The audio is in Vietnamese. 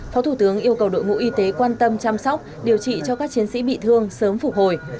phó thủ tướng yêu cầu đội ngũ y tế quan tâm chăm sóc điều trị cho các chiến sĩ bị thương sớm phục hồi